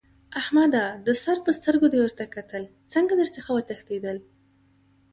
احمده! د سر په سترګو دې ورته کتل؛ څنګه در څخه وتښتېدل؟!